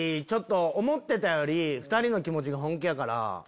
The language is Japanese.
思ってたより２人の気持ちが本気やから。